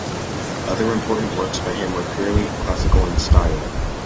Other important works by him were purely classical in style.